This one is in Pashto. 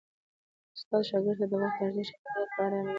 استاد شاګرد ته د وخت د ارزښت او مدیریت په اړه عملي درس ورکوي.